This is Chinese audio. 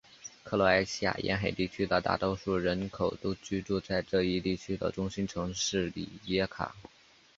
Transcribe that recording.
克罗埃西亚沿海地区的大多数人口都居住在这一地区的中心城市里耶卡。